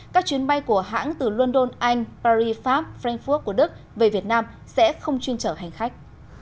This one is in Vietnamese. các chuyến bay của hãng từ london anh paris pháp frankfurt của đức về việt nam sẽ không chuyên chở hành khách